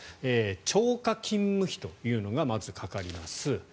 超過勤務費というのがまずかかります。